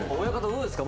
どうですか